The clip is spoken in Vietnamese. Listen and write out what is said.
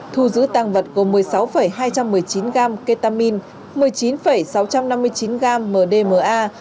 thu giữ tàng vật gồm một mươi sáu hai trăm một mươi chín gram ketamin một mươi chín sáu trăm năm mươi chín gram mdma